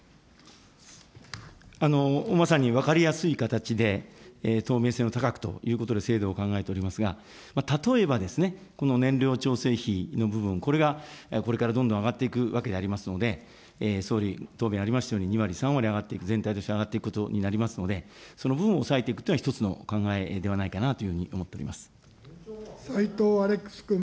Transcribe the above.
まさに分かりやすい形で、透明性の高くということで、制度を考えておりますが、例えばですね、この燃料調整費の部分、これがこれからどんどん上がっていくわけでありますので、総理、答弁ありましたように、２割、３割上がっていく、全体として上がっていくことになりますので、その部分を抑えていくというのが１つの考えではないかなと思って斎藤アレックス君。